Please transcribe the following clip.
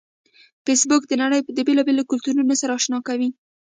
فېسبوک د نړۍ د بیلابیلو کلتورونو سره آشنا کوي